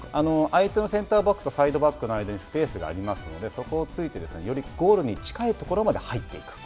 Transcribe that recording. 相手のセンターバックとサイドバックの間にスペースがありますのでそこを突いてよりゴールに近いところまで入っていく。